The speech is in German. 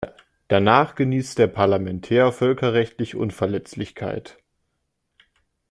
Danach genießt der Parlamentär völkerrechtlich Unverletzlichkeit.